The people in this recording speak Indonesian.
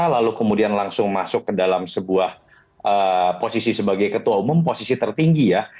lalu kemudian langsung masuk ke dalam sebuah posisi sebagai ketua umum posisi tertinggi ya